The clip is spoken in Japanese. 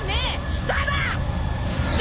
下だ！